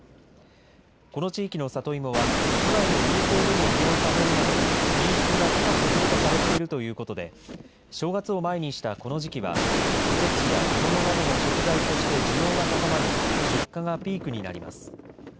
この地域の里芋は、都内の料亭でも利用されるなど、品質が高く評価されているということで、正月を前にしたこの時期は、おせちや煮物などの食材として、需要が高まり、出荷がピークになります。